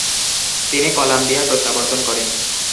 তিনি কলাম্বিয়া প্রত্যাবর্তন করেন।